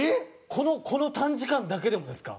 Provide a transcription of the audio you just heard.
このこの短時間だけでもですか？